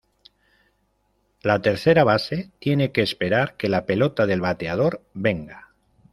La tercera base tiene que esperar que la pelota del bateador venga.